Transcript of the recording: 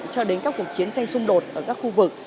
cho đến các cuộc chiến tranh xung đột ở các khu vực